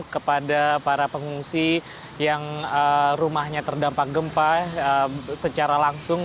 kepada para pengungsi yang rumahnya terdampak gempa secara langsung